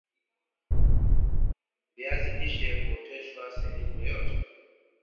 viazi lishe huoteshwa sehemu yoyote